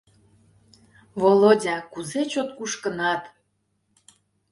— Володя, кузе чот кушкынат